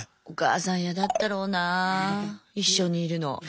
お母さん嫌だったろうな一緒にいるの。